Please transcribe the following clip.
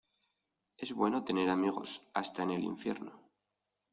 Es bueno tener amigos hasta en el infierno.